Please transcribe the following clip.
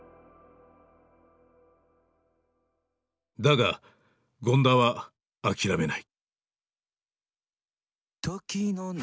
だが権田は諦めない。